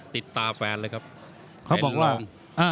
ติดตาแฟนเลยครับเค้าบอกว่าเป็นรอง